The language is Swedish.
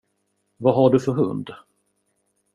Vad har du för hund?